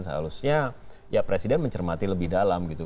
seharusnya presiden mencermati lebih dalam